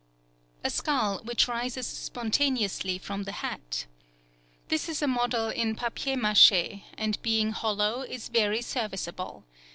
A skull which rises spontaneously from the hat.—This is a model in papier mache, and being hollow, is very serviceable.